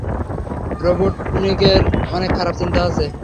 রোবটনিকের অনেক খারাপ চিন্তা আছে।